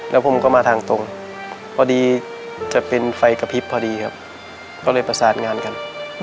แล้วผมก็มาทางตรงพอดีจะเป็นไฟกระพริบพอดีครับก็เลยประสานงานกัน